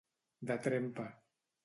De trempa.